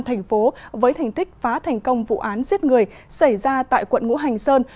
thành phố với thành tích phá thành công vụ án giết người xảy ra tại quận ngũ hành sơn